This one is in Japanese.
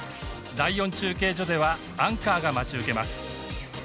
第４中継所ではアンカーが待ち受けます。